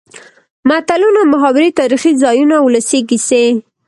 متلونه ،محاورې تاريخي ځايونه ،ولسي کسې.